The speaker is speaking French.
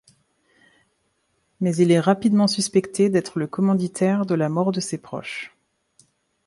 Mais il est rapidement suspecté d'être le commanditaire de la mort de ses proches.